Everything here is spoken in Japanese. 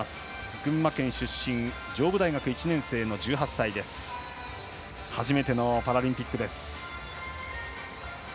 群馬県出身上武大学１年生の１８歳初めてのパラリンピックです。